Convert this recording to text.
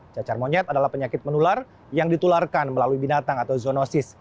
cacar monyet adalah penyakit menular yang ditularkan melalui binatang atau zoonosis